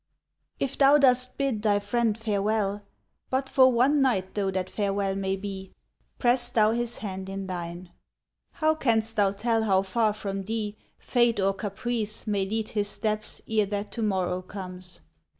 If thou dost bid thy friend farewell, But for one night though that farewell may be, Press thou his hand in thine. How canst thou tell how far from thee Fate or caprice may lead his steps ere that to morrow comes?